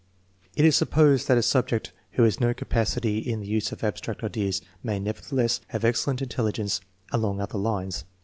It is supposed that a subject who has no capacity in the use of abstract ideas may nevertheless have excellent intelli gence " along other lines."